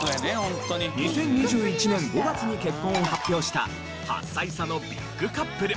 ２０２１年５月に結婚を発表した８歳差のビッグカップル。